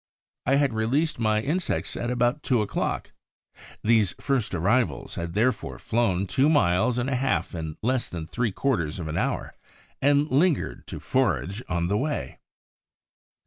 I had released my insects at about two o'clock; these first arrivals had therefore flown two miles and a half in less than three quarters of an hour, and lingered to forage on the way.